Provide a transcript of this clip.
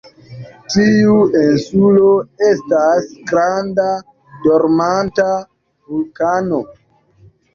Tiu insulo estas granda dormanta vulkano.